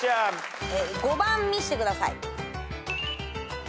５番見してください。